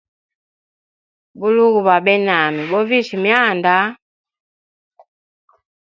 Buloge bwa benami, bovisha mianda.